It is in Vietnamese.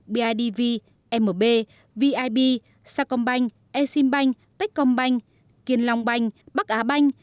bidv mb vib sacombank eximbank techcombank kiên longbank bắc á bank